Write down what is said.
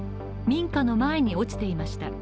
民家の前に落ちていました。